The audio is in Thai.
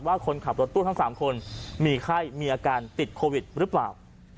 คนขับรถตู้ทั้ง๓คนมีไข้มีอาการติดโควิดหรือเปล่า